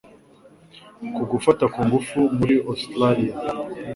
ku gufata ku ngufu muri Australia